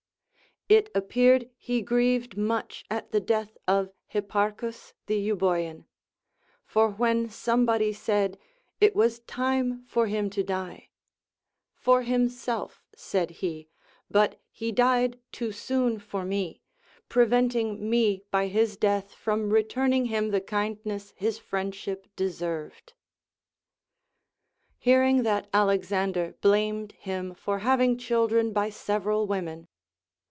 It appeared he grieved much at the death of Hipparchus the Euboean. For when somebody said it was time for him to die, — For himself, said he, but he died too soon for me, preventing me by his death from returning him the kindness his friend ship deserved. Hearing that Alexander blamed him for having children by several women.